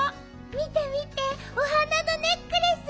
みてみてお花のネックレス。